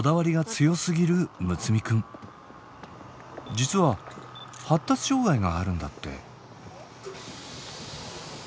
実は発達障害があるんだって。